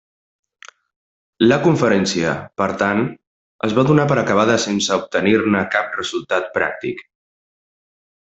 La conferència, per tant, es va donar per acabada sense obtenir-ne cap resultat pràctic.